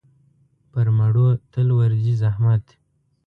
پر مړو تل ورځي زحمت.